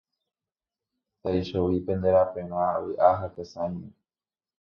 Taichovi pende raperã vy'a ha tesãime.